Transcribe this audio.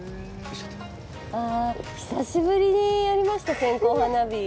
久しぶりにやりました、線香花火。